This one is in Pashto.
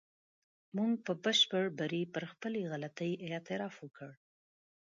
موږ په بشپړ بري پر خپلې غلطۍ اعتراف وکړ.